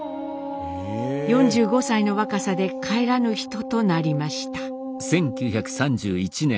４５歳の若さで帰らぬ人となりました。